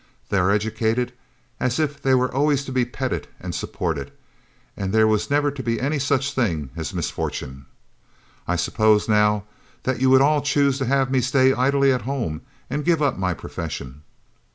They are educated as if they were always to be petted and supported, and there was never to be any such thing as misfortune. I suppose, now, that you would all choose to have me stay idly at home, and give up my profession."